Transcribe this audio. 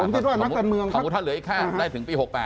คำถูกว่าถ้าเหลืออีกข้างได้ถึงปี๖๘